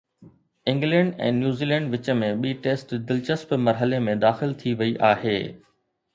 England ۽ New Zealand وچ ۾ ٻي test دلچسپ مرحلي ۾ داخل ٿي وئي آهي